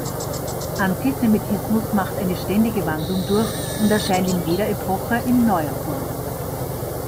Antisemitismus macht eine ständige Wandlung durch und erscheint in jeder Epoche in neuer Form.